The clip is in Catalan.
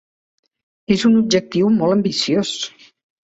És un objectiu molt ambiciós.